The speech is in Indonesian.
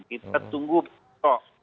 kita tunggu besok